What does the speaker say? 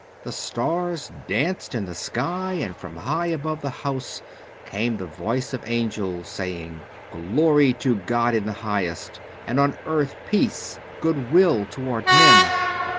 The stars danced in the sky and from high above the house came the voice of angels saying, "Glory to God in the highest, and on earth peace, good will toward men."